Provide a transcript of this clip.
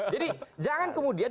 jadi jangan kemudian